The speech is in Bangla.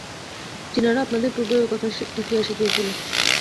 চীনারা আপনাদের পূর্বেই ঐ কথা ঠেকিয়া শিখিয়াছিল।